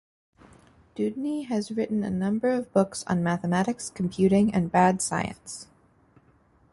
Dewdney has written a number of books on mathematics, computing, and bad science.